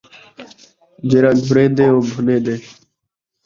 جیڑھا گھڑین٘دے ، او بھنین٘دے